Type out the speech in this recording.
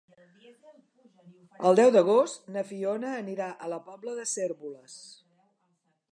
El deu d'agost na Fiona anirà a la Pobla de Cérvoles.